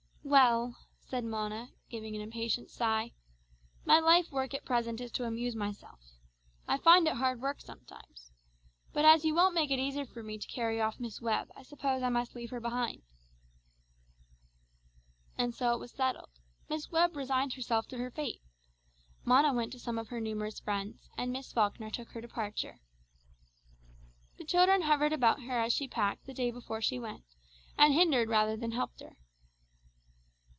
"Well," said Mona giving an impatient sigh, "my life work at present is to amuse myself. I find it hard work sometimes. But as you won't make it easy for me to carry off Miss Webb I suppose I must leave her behind." And so it was settled. Miss Webb resigned herself to her fate. Mona went to some of her numerous friends, and Miss Falkner took her departure. The children hovered about her as she packed the day before she went, and hindered rather than helped her.